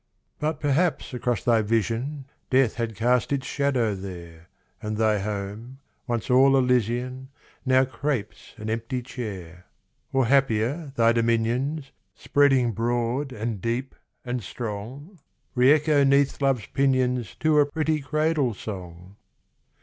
But perhaps across thy vision Death had cast its shadow there, And thy home, once all elysian, Now crapes an empty chair; Or happier, thy dominions, Spreading broad and deep and strong, Re echo 'neath love's pinions To a pretty cradle song!